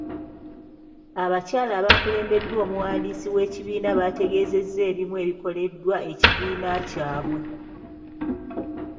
Abakyala abaakulembeddwa omuwandiisi w'ekibiina baategeezezza ebimu ebikoleddwa ekibiina kyabwe.